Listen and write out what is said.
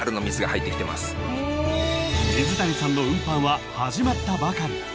［水谷さんの運搬は始まったばかり］